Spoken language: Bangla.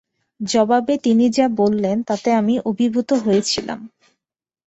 জবাবে তিনি যা বললেন তাতে আমি অভিভূত হয়েছিলাম।